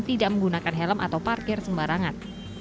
tidak menggunakan helm atau parkir sembarangan